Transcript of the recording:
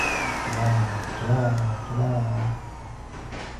«Чыда-а, чыда-а, чыда-а!